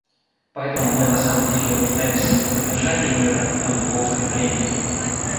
Поэтому мы на самом деле нуждаемся не в поддержании мира, а в его укреплении.